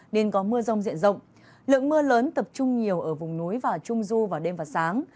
nên có mưa rông diện rộng lượng mưa lớn tập trung nhiều ở vùng núi và trung du vào đêm và sáng